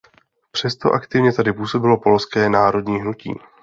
Přesto aktivně tady působilo polské národní hnutí.